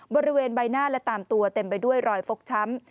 บริเวณใบหน้าและตามตัวเต็มไปด้วยรอยฟกช้ำ